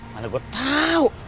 mana gue tahu